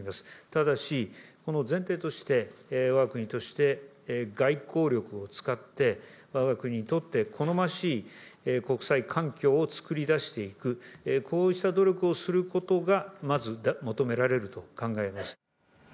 ただし、この前提として、わが国として外交力を使って、わが国にとって好ましい国際環境を作り出していく、こうした努力をすることが、まず求められると考えます。